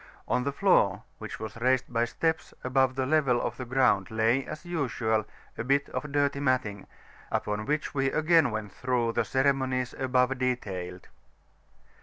On the floor, which was raised by steps above the level of the ground, lay, as usual, a bit of dirty matting, upon which we again went through, the ceremonies above detailed.